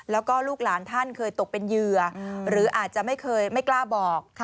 แล้วก็ลูกหลานท่านเคยตกเป็นเหยื่อหรืออาจจะไม่เคยไม่กล้าบอก